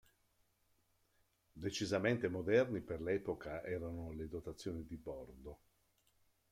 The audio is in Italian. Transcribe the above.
Decisamente moderni per l'epoca erano le dotazioni di bordo.